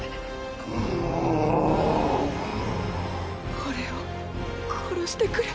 俺を殺してくれ。